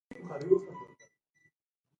دا اخیستنه کټ مټ کاپي نه وي بلکې نوښت پکې وي